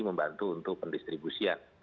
membantu untuk pendistribusian